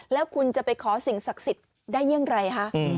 แล้วคุณจะไปขอสิ่งศักดิ์สิทธิ์ได้อย่างไรคะ